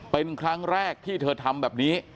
เป็นครั้งแรกที่เธอทำแบบนี้